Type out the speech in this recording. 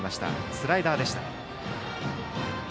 スライダーでした。